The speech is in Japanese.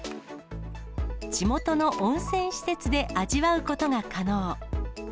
地元の温泉施設で味わうことが可能。